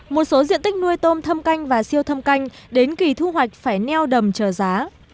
một số diện tích nuôi tôm thâm canh và siêu thâm canh đến kỳ thu hoạch phải neo đầm chờ giá